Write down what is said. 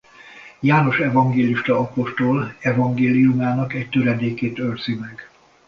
János evangélista apostol evangéliumának egy töredékét őrzi meg.